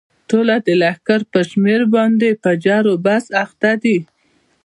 ټوله د لښکر پر شمېر باندې په جرو بحث اخته دي.